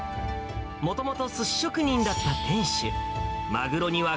もともとすし職人だった店主。